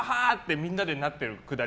みんなでなってる下り